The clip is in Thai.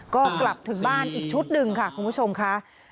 ก็กลับถึงบ้านอีกชุดหนึ่งค่ะคุณผู้ชมค่ะ